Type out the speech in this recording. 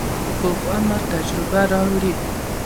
پوخ عمر تجربه راوړي